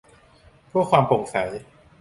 เพื่อความโปร่งใส